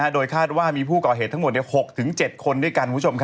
โดยคาดว่ามีผู้ก่อเหตุทั้งหมด๖๗คนด้วยกัน